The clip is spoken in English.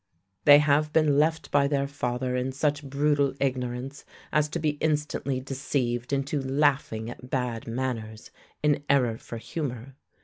They have been left by their father in such brutal ignorance as to be instantly deceived into laughing at bad manners in error for humour.